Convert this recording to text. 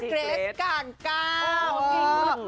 รั้งจราบ